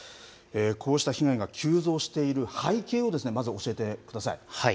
こうした被害が急増している背景をまず教えてください。